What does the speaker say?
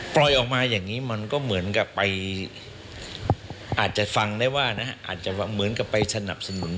ปล่อยออกมาอย่างนี้มันก็เหมือนกับไปอาจจะฟังได้ว่านะอาจจะเหมือนกับไปสนับสนุน